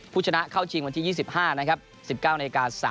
ผู้ชนะเข้าจริงวันที่๒๕๑๙น๓๐น